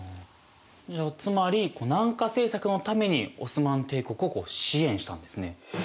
つまり南下政策のためにオスマン帝国を支援したんですね。